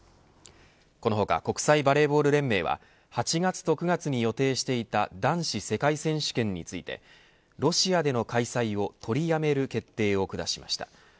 この他、国際バレーボール連盟は８月と９月に予定していた男子世界選手権についてロシアでの開催を取りやめる決定を下しました。